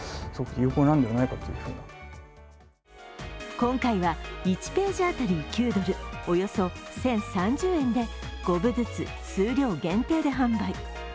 今回は１ページ当たり９ドルおよそ１０３０円で５部ずつ数量限定で販売。